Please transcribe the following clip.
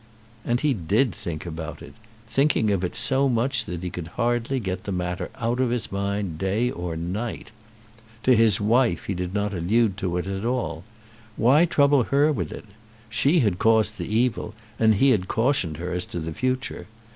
And he did think about it, thinking of it so much that he could hardly get the matter out of his mind day or night. To his wife he did not allude to it at all. Why trouble her with it? She had caused the evil, and he had cautioned her as to the future.